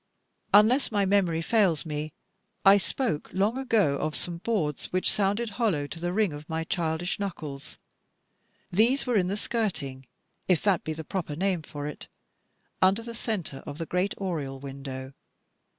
Unless my memory fails me, I spoke long ago of some boards which sounded hollow to the ring of my childish knuckles. These were in the skirting if that be the proper name for it under the centre of the great oriel window.